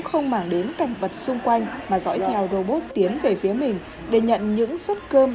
không mang đến cành vật xung quanh mà dõi theo robot tiến về phía mình để nhận những suất cơm